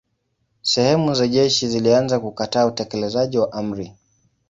Sehemu za jeshi zilianza kukataa utekelezaji wa amri.